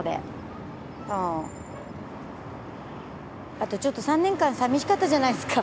あとちょっと３年間さみしかったじゃないですか。